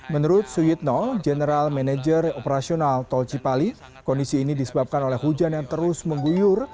menurut suyitno general manager operasional tol cipali kondisi ini disebabkan oleh hujan yang terus mengguyur